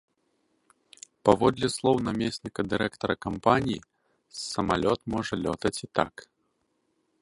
Паводле слоў намесніка дырэктара кампаніі, самалёт можа лётаць і так.